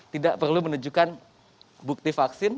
tidak perlu menunjukkan bukti vaksin